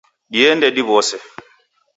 Diende diwose.